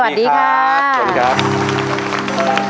สวัสดีครับ